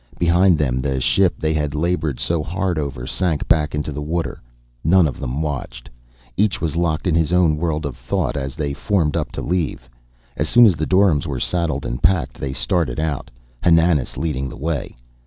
Behind them the ship they had labored so hard over, sank back into the water. None of them watched. Each was locked in his own world of thought as they formed up to leave. As soon as the doryms were saddled and packed they started out, Hananas leading the way.